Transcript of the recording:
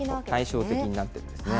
対照的になっていますね。